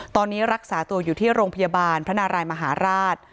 ตอนนี้รักษาตัวอยู่ที่โรงพยาบาลพระนารายมหาราช